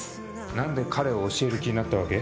「なんで彼を教える気になったわけ？